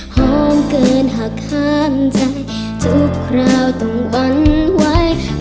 หอมเกินหากห้ามใจทุกคราวต้องหวั่นไว้